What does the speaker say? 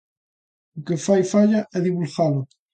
O que fai falla é divulgalo.